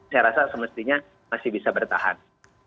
saya rasa semestinya masih bisa bertahan